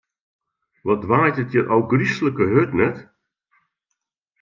Wat waait it hjir ôfgryslike hurd, net?